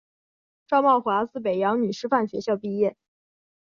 赵懋华自北洋女师范学校毕业。